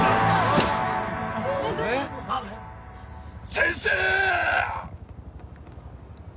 先生！！